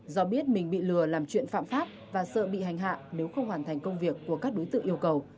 do biết mình bị lừa làm chuyện phạm pháp và sợ bị hành hạ nếu không hoàn thành công việc của các đối tượng yêu cầu